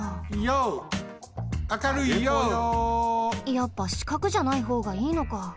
やっぱしかくじゃないほうがいいのか。